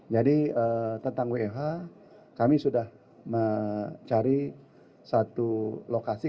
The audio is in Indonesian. jadi tentang wfh kami sudah mencari satu lokasi